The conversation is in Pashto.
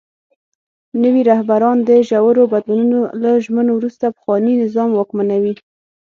نوي رهبران د ژورو بدلونونو له ژمنو وروسته پخواني نظام واکمنوي.